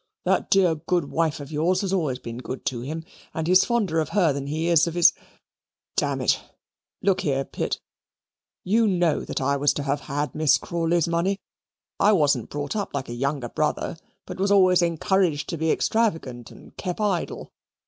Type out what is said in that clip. That dear good wife of yours has always been good to him; and he's fonder of her than he is of his ... Damn it. Look here, Pitt you know that I was to have had Miss Crawley's money. I wasn't brought up like a younger brother, but was always encouraged to be extravagant and kep idle.